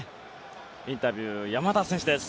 インタビュー、山田選手です。